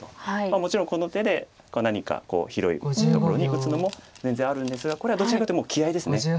もちろんこの手で何か広いところに打つのも全然あるんですがこれはどちらかというともう気合いです。